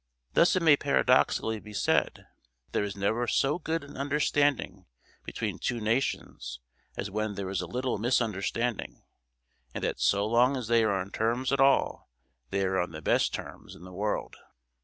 Thus it may paradoxically be said, that there is never so good an understanding between two nations as when there is a little misunderstanding and that so long as they are on terms at all they are on the best terms in the world!